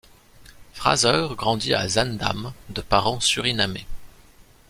Fraser grandit à Zaandam de parents surinamais.